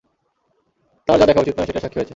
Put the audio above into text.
তার যা দেখা উচিত নয় সেটার সাক্ষী হয়েছে।